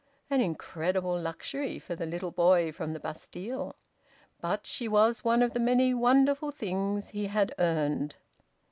An incredible luxury for the little boy from the Bastille! But she was one of the many wonderful things he had earned.